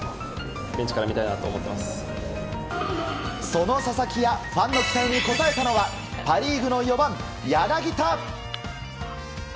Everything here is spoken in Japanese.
その佐々木やファンの期待に応えたのはパ・リーグの４番、柳田。